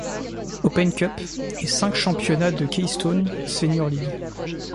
Open Cup, et cinq championnats de Keystone Senior League.